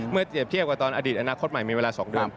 เปรียบเทียบกับตอนอดีตอนาคตใหม่มีเวลา๒เดือน